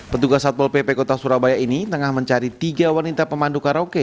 petugas satpol pp kota surabaya ini tengah mencari tiga wanita pemandu karaoke